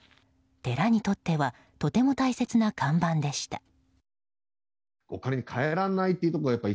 寺にとってはとても大切な看板でした。